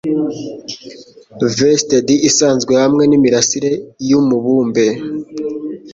Vested isanzwe hamwe nimirasire yumubumbe